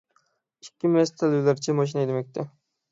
ئىككى مەست تەلۋىلەرچە ماشىنا ھەيدىمەكتە.